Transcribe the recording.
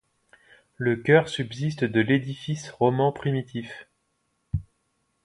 Le chœur subsiste de l'édifice roman primitif.